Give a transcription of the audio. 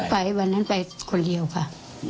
ไปวันนั้นไปคนเดียวค่ะ